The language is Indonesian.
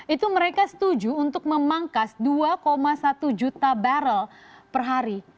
itu mereka setuju untuk memangkas dua satu juta barrel per hari